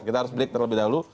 kita harus beritahu lebih dahulu